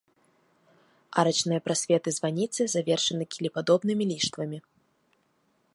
Арачныя прасветы званіцы завершаны кілепадобнымі ліштвамі.